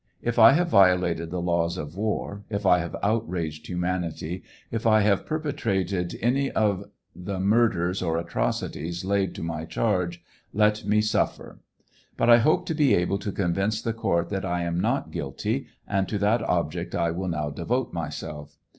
If I have violated the laws of war, if I have outraged humanity, if I have perpetrated any of the murders or atrocities laid to my charge, let mf) suffer. But I hope to be able to convince the court that I am not guilty, and ■to that object I will now devote myself.